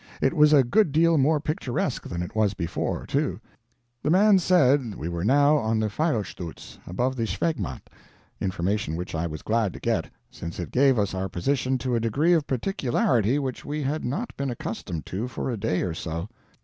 It was a good deal more picturesque than it was before, too. The man said we were now on the Feil Stutz, above the Schwegmatt information which I was glad to get, since it gave us our position to a degree of particularity which we had not been accustomed to for a day or so.